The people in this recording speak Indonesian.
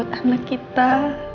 saat mereka ingat gak bisa